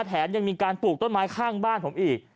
แถมยังมีการปลูกต้นไม้ข้างบ้านผมอีก